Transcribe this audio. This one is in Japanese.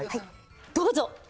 どうぞ。